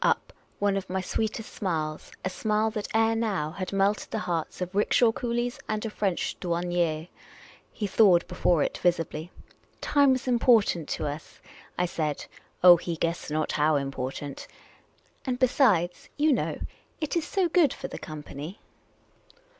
Up one of my sweetest smiles — a smile that ere now had melted the hearts of rickshaw coolies and of French douanicrs. He thawed before it visibly. " Time was important to us," I said — oh, he guessed not how important ;" and besides, you know, it is so good for the company